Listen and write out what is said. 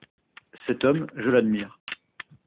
Cet homme, je l’admire.